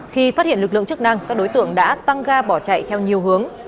khi phát hiện lực lượng chức năng các đối tượng đã tăng ga bỏ chạy theo nhiều hướng